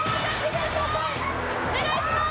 ・お願いします・・